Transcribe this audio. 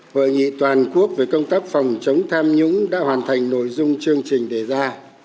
hội nghị toàn quốc về công tác phòng chống tham nhũng đã hoàn thành nội dung chương trình đề ra